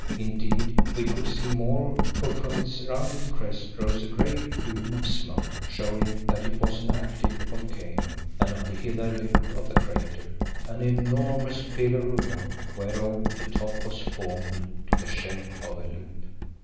Indeed we could see more, for from its rounded crest rose a great plume of smoke, showing that it was an active volcano, and on the hither lip of the crater an enormous pillar of rock, whereof the top was formed to the shape of a loop.